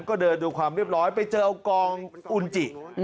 ก็เดินดูความเรียบร้อยไปเจอกองอุณจิ